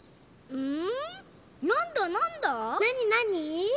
うん？